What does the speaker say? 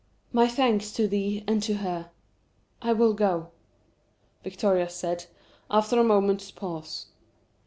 "My thanks to thee and to her I will go," Victoria said, after a moment's pause.